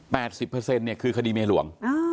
สิบเปอร์เซ็นต์เนี่ยคือคดีเมียหลวงอ่า